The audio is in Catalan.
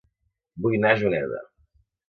Vull anar a Juneda